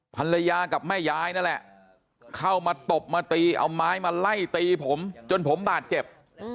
ภรรยากับแม่ยายนั่นแหละเข้ามาตบมาตีเอาไม้มาไล่ตีผมจนผมบาดเจ็บ